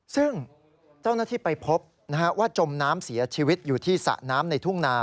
ซึ่งเจ้าหน้าที่ไปพบว่าจมน้ำเสียชีวิตอยู่ที่สระน้ำในทุ่งนา